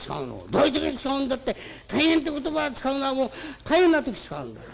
「どういう時に使うんだって大変って言葉を使うのはもう大変な時使うんだ。